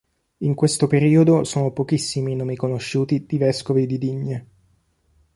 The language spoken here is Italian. In questo periodo sono pochissimi i nomi conosciuti di vescovi di Digne.